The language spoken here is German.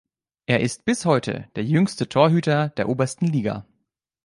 Er ist bis heute der jüngste Torhüter der obersten Liga.